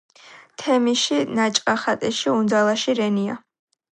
თემიში ნაჭყა ხატიში უნძალაში რენია